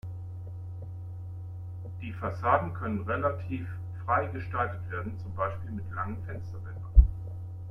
Die Fassaden können relativ frei gestaltet werden, zum Beispiel mit langen Fensterbändern.